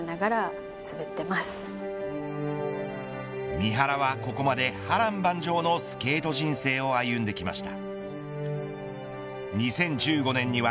三原はここまで波瀾万丈のスケート人生を歩んできました。